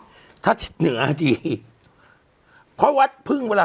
หอถ้าถิดเหนือดีเพราะวัดพึ่งเวลา